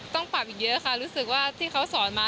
ต้องปรับอีกเยอะค่ะรู้สึกว่าที่เขาสอนมา